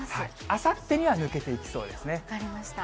あさってには抜けていきそう分かりました。